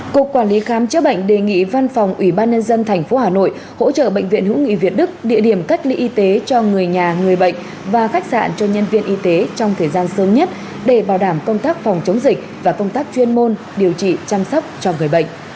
cục quản lý khám chữa bệnh đề nghị văn phòng ủy ban nhân dân tp hà nội hỗ trợ bệnh viện hữu nghị việt đức địa điểm cách ly y tế cho người nhà người bệnh và khách sạn cho nhân viên y tế trong thời gian sớm nhất để bảo đảm công tác phòng chống dịch và công tác chuyên môn điều trị chăm sóc cho người bệnh